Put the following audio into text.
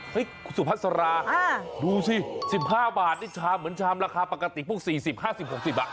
สุพัสราดูสิ๑๕บาทนี่ชามเหมือนชามราคาปกติพวก๔๐๕๐๖๐บาท